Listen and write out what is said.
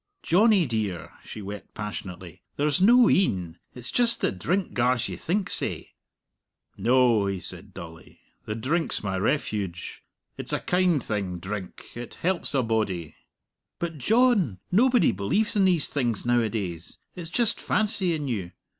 "Johnnie dear," she wept passionately, "there's no een! It's just the drink gars you think sae." "No," he said dully; "the drink's my refuge. It's a kind thing, drink it helps a body." "But, John, nobody believes in these things nowadays. It's just fancy in you.